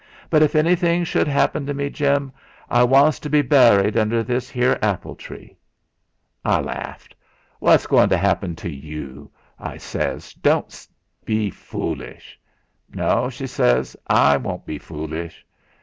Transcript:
'But if anything shude 'appen to me, Jim, I wants to be burried under this 'ere apple tree.' I laughed. 'What's goin' to '.ppen to yu?' I says; 'don't 'ee be fulish.' 'No,' she says, 'I won't be fulish.'